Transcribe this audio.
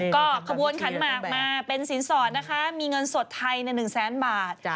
ก็ขบวนขันหมากมาเป็นสินสอดนะคะมีเงินสดไทย๑แสนบาท